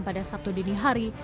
pada sabtu dini hari